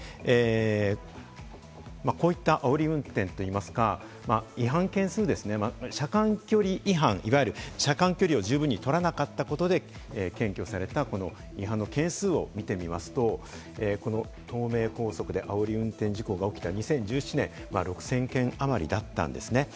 こういったあおり運転といいますか、違反件数ですね、車間距離違反、車間距離を十分に取らなかったことで検挙された違反の件数を見てみますと、東名高速であおり運転事故が起きた２０１７年、６０００件あまりだったんですね。